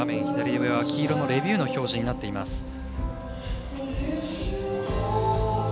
左上は黄色いレビューの表示になっています。